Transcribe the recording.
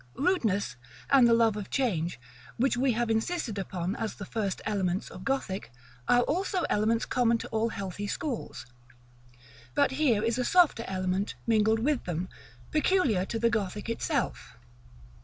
Rudeness, and the love of change, which we have insisted upon as the first elements of Gothic, are also elements common to all healthy schools. But here is a softer element mingled with them, peculiar to the Gothic itself.